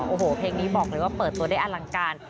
โอ้โหเพลงนี้บอกเลยว่าเปิดตัวได้อลังการ